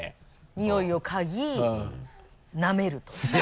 匂いを嗅ぎなめると。